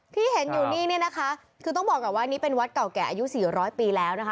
ที่เห็นอยู่นี่นะคะคือต้องบอกก่อนว่าอันนี้เป็นวัดเก่าแก่อายุ๔๐๐ปีแล้วนะคะ